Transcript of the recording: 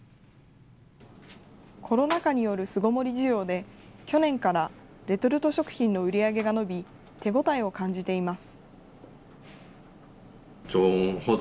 コロナ禍による巣ごもり需要で、去年からレトルト食品の売り上げが伸び、手応えを感じています。